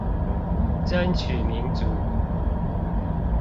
爭取民主